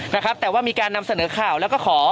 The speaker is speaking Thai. นะครับแต่ว่ามีการนำเสนอข่าวแล้วก็ขอ